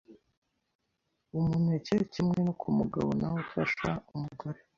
umuneke kimwe no ku mugabo nawo ufasha umugore